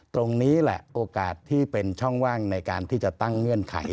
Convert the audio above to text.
ตรงนี้แหละโอกาสที่เป็นช่องว่างในการที่จะตั้งเงื่อนไข